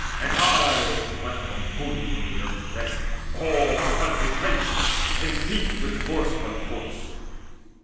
And aye went up a moaning from earth's breast All blood bedrenched, and heaped with corse on corse.